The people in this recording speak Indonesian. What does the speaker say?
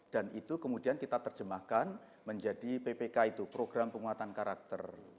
dan itu kemudian kita terjemahkan menjadi ppk itu program penguatan karakter